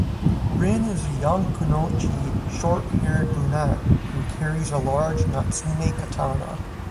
Rin is a young kunoichi short-haired brunette who carries a large Natsume katana.